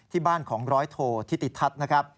ที่บ้านของร้อยโททิติทัศน์